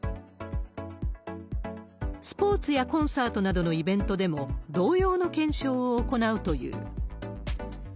スポーツやコンサートなどのイベントでも、同様の検証を行うという。